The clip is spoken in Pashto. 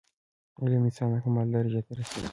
علم انسان د کمال درجي ته رسوي.